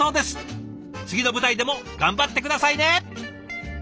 次の舞台でも頑張って下さいね！